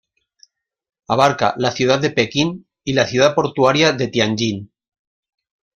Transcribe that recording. Abarca la ciudad de Pekín y la ciudad portuaria de Tianjin.